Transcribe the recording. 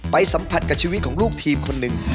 สัมผัสกับชีวิตของลูกทีมคนหนึ่ง